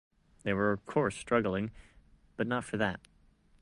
They were of course struggling, but not for that.